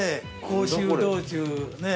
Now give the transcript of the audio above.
甲州道中ね